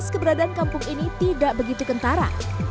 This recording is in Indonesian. keberadaan kampung ini tidak begitu kentara